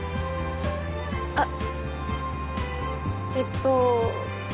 あっえっと。